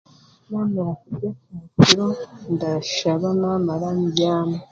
Naamara kurya kyakiro ndashaba naamara mbyamwe